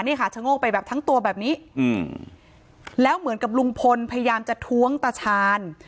นี่ค่ะชะโงกไปแบบทั้งตัวแบบนี้อืมแล้วเหมือนกับลุงพลพยายามจะท้วงตาชาญ